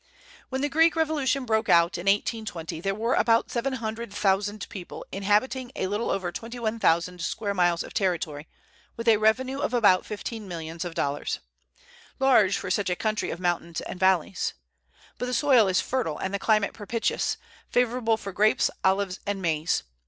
When the Greek revolution broke out, in 1820, there were about seven hundred thousand people inhabiting a little over twenty one thousand square miles of territory, with a revenue of about fifteen millions of dollars, large for such a country of mountains and valleys. But the soil is fertile and the climate propitious, favorable for grapes, olives, and maize.